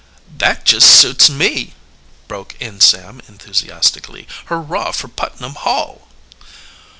"That just suits me!" broke in Sam enthusiastically. "Hurrah for Putnam Hall!"